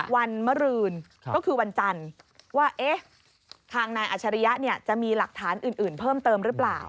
วันมรืนก็คือวันจันทร์ว่าทางนายอัชริยะจะมีหลักฐานอื่นเพิ่มเติมหรือเปล่า